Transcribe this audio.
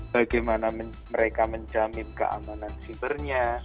bagaimana mereka menjamin keamanan sibernya